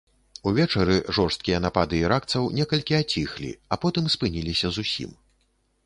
Увечары жорсткія напады іракцаў некалькі аціхлі, а потым спыніліся зусім.